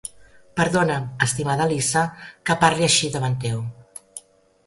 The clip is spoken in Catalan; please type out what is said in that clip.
Perdona'm, estimada Elisa, que parle així davant teu.